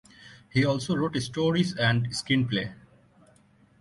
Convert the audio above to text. He also wrote stories and screenplays.